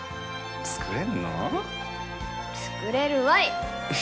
作れるわい！